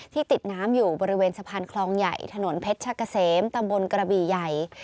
ติดน้ำอยู่บริเวณสะพานคลองใหญ่ถนนเพชรชะกะเสมตำบลกระบี่ใหญ่